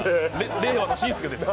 令和の紳助です。